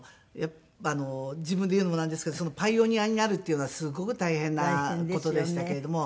自分で言うのもなんですけどパイオニアになるっていうのはすごく大変な事でしたけれども。